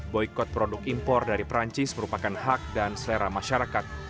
boykot produk impor dari perancis merupakan hak dan selera masyarakat